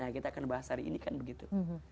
nah kita akan bahas hari ini kan begitu